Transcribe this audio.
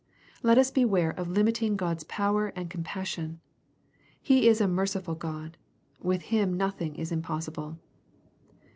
Let us beware of limiting God's power and compassion. He is a merciful God. With Him nothing is impossible.